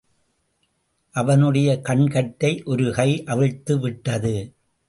அவனுடைய கண்கட்டை ஒரு கை அவிழ்த்து விட்டது.